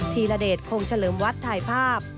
ธีรเดชคงเฉลิมวัดถ่ายภาพ